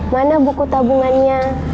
mana buku tabungannya